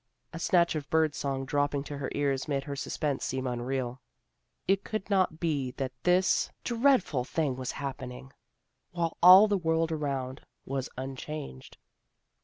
A snatch of bird song dropping to her ears made her suspense seem unreal. It could not be that this dreadful 330 THE GIRLS OF FRIENDLY TERRACE thing was happening, while all the world around was unchanged.